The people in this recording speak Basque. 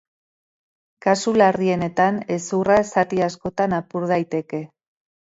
Kasu larrienetan, hezurra zati askotan apur daiteke.